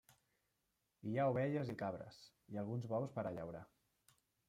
Hi ha ovelles i cabres, i alguns bous per a llaurar.